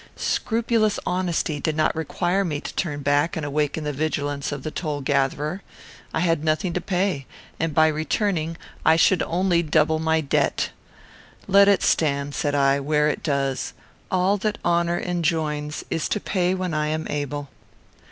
Scrupulous honesty did not require me to turn back and awaken the vigilance of the toll gatherer. I had nothing to pay, and by returning I should only double my debt. "Let it stand," said I, "where it does. All that honour enjoins is to pay when I am able."